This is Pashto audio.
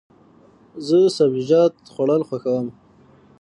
زه سبزیجات خوړل خوښوم.